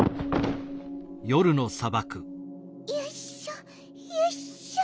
よいしょよいしょ。